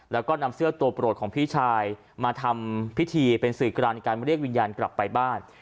แล้วก็นำเสื้อตัวโปรดของพี่ชายมาทำพิธีเป็นสื่อกลางในการเรียกวิญญาณกลับไปบ้าน